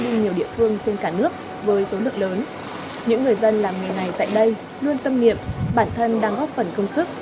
những người dân làm nghề này tại đây luôn tâm niệm bản thân đang góp phần công sức